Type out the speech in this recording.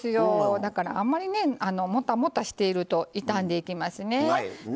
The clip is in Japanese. だからあまりもたもたしていると傷んでいきますね。